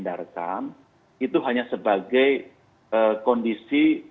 tidak terhindarkan itu hanya sebagai kondisi